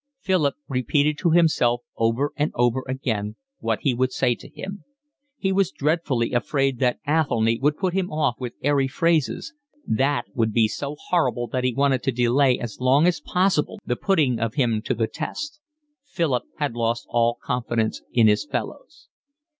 Philip repeated to himself over and over again what he should say to him. He was dreadfully afraid that Athelny would put him off with airy phrases: that would be so horrible that he wanted to delay as long as possible the putting of him to the test. Philip had lost all confidence in his fellows.